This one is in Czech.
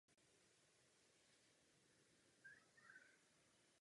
Ústředním bodem jeho filosofie se stala teologie.